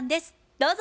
どうぞ。